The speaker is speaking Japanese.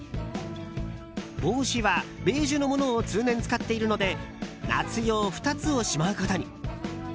帽子はベージュのものを通年使っているので夏用２つをしまうことに。